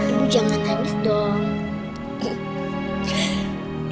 ibu jangan nangis dong